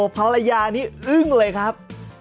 ภรรยานี้อึ้งเลยครับ